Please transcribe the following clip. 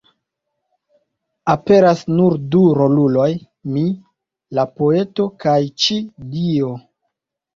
Aperas nur du roluloj: "mi", la poeto; kaj "ci", Dio.